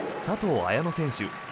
佐藤綾乃選手